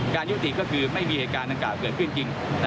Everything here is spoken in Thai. การยุติก็คือไม่มีเหตุการณ์เกิดขึ้นจริง